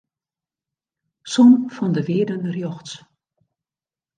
Som fan de wearden rjochts.